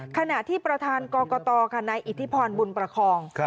ขณะที่ประธานกรกตค่ะนายอิทธิพรบุญประคอง